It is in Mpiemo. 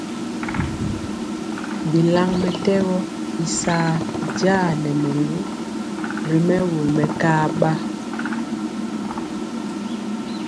Bilaŋ mɛtɛgɔ i saa ja nɛ mɛlu ri mɛwul mɛkaɓa.